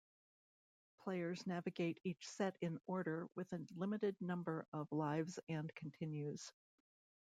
Players navigate each set in order with a limited number of lives and continues.